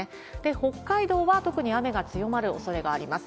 北海道は特に雨が強まるおそれがあります。